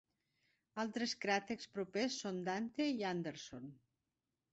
Altres cràters propers són Dante i Anderson.